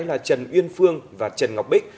là trần uyên phương và trần ngọc bích